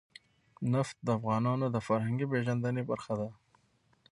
نفت د افغانانو د فرهنګي پیژندنې برخه ده.